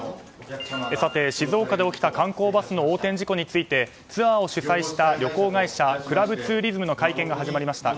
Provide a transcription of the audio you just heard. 静岡で起きた観光バスの横転事故についてツアーを主催した旅行会社クラブツーリズムの会見が始まりました。